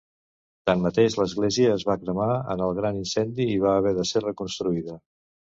Tanmateix, l'església es va cremar en el gran incendi i va haver de ser reconstruïda.